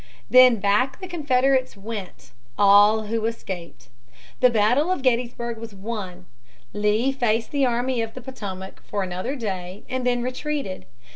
Then back the Confederates went all who escaped. The battle of Gettysburg was won. Lee faced the Army of the Potomac for another day and then retreated.